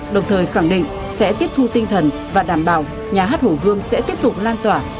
đồng thời khẳng định sẽ tiếp thu tinh thần và đảm bảo nhà hát hồ gươm sẽ tiếp tục lan tỏa